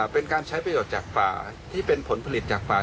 เป็นการใช้ประโยชน์จากป่าที่เป็นผลผลิตจากป่า